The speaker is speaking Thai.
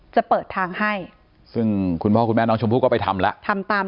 จะเปิดทางให้ซึ่งคุณพ่อคุณแม่น้องชมพู่ก็ไปทำแล้วทำตาม